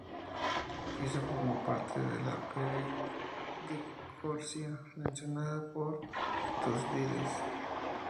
Quizá formó parte de la perea de Corcira mencionada por Tucídides.